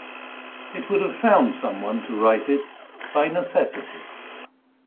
It would have found someone to write it, by necessity.